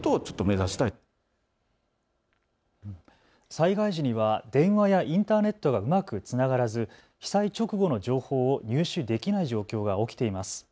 災害時には電話やインターネットがうまくつながらず被災直後の情報を入手できない状況が起きています。